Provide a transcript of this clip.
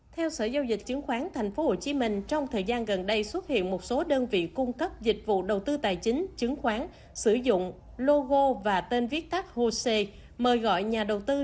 theo sở giao dịch chứng khoán tp hcm trong thời gian gần đây xuất hiện một số đơn vị cung cấp dịch vụ đầu tư tài chính chứng khoán sử dụng logo và tên viết tắt hosea mời gọi nhà đầu tư